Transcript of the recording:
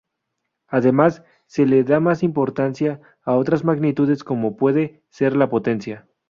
Además, se le da más importancia a otras magnitudes como puede ser la Potencia.